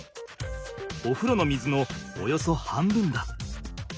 おふろの水のおよそ半分だ。